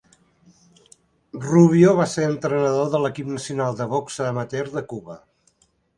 Rubio va ser entrenador de l'equip nacional de boxa amateur de Cuba.